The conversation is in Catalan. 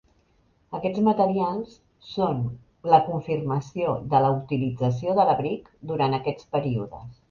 Aquests materials són la confirmació de la utilització de l'abric durant aquests períodes.